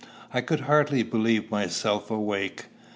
I could hardly believe myself awake.